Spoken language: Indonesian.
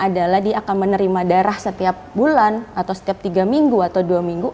adalah dia akan menerima darah setiap bulan atau setiap tiga minggu atau dua minggu